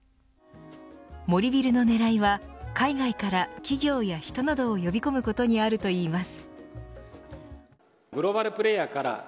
森ビルの狙いは海外から企業や人などを呼び込むことにあるといいます。